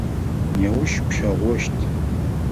Неущ пщэгъощт.